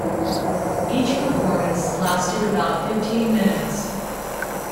Each performance lasted about fifteen minutes.